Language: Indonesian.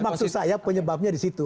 maksud saya penyebabnya di situ